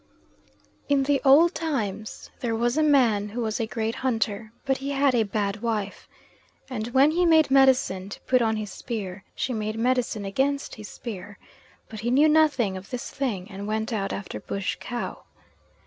In the old times there was a man who was a great hunter; but he had a bad wife, and when he made medicine to put on his spear, she made medicine against his spear, but he knew nothing of this thing and went out after bush cow.